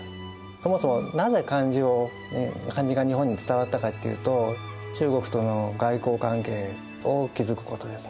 そもそもなぜ漢字が日本に伝わったかっていうと中国との外交関係を築くことですね。